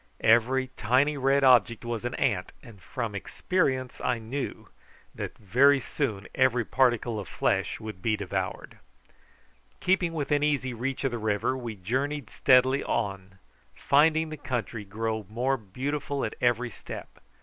Each tiny red object was an ant, and from experience I knew that very soon every particle of flesh would be devoured. Keeping within easy reach of the river we journeyed steadily on, finding the country grow more beautiful at every step.